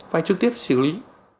phải trực tiếp xử lý